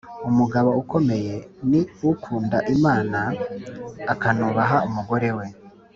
Umugabo ukomeye ni ukunda Imana akanubaha umugore we